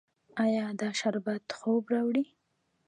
ایا دا شربت خوب راوړي؟